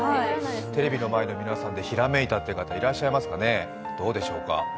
テレビの前の皆さんでひらめいたという方いらっしゃいますかね、どうでしょう。